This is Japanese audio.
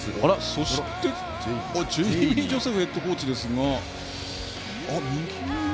そして、ジェイミー・ジョセフヘッドコーチですが。